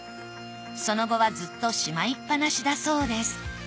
その後はずっとしまいっぱなしだそうです